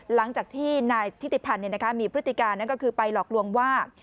หลังจากที่นายธิติพันธ์มีพฤติการไปหลอกลวงว่า